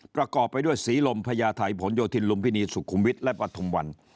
ประกอบไปด้วยศรีลมพญาไทยผลโยธินลุมพินีสุขุมวิทย์และปฐุมวัน